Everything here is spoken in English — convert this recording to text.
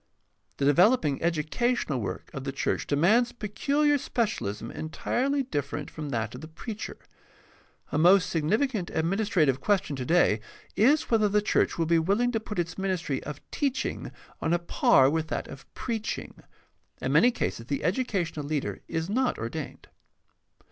— The developing educational work of the church demands peculiar specialism entirely different from that of the preacher. A most significant administra tive question today is whether the church will be willing to put its ministry of teaching on a par with that of PRACTICAL THEOLOGY 603 preaching. In many cases the educational leader is not ordained.